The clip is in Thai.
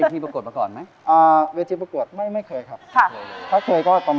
จริงเพิ่มผ่านเวชที่ประกวดมาก่อนไหม